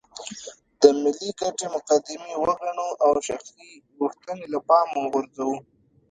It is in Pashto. د ملي ګټې مقدمې وګڼو او شخصي غوښتنې له پامه وغورځوو.